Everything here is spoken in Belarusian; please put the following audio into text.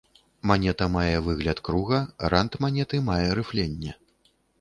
Манета мае выгляд круга, рант манеты мае рыфленне.